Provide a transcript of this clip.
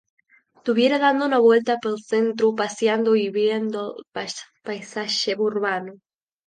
Tuviera dando una vuelta pel centru, pasiando y viendo'l paisaxe urbanu.